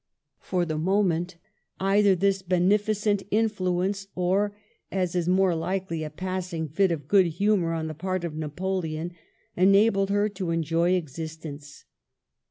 For the moment, either this beneficent influence, or, as is more likely, a passing fit of good humor on the part of Napoleon, enabled her to enjoy existence.